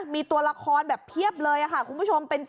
มีตัวละครแบบเพียบเลยค่ะคุณผู้ชม